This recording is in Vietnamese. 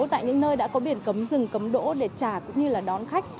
tại những nơi đã có biển cấm dừng cấm đỗ để trả cũng như là đón khách